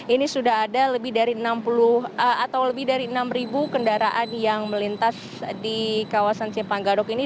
ini sudah ada lebih dari enam kendaraan yang melintas di kawasan simpang gadok ini